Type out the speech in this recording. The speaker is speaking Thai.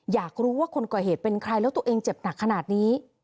อยากรู้ว่าคนก่อเหตุเป็นใครแล้วตัวเองเจ็บหนักขนาดนี้